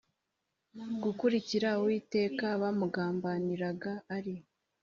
gukurikira Uwiteka bamugambaniraga ari i